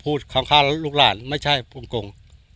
พูดข้ามฆ่าลูกหลานไม่ใช่กง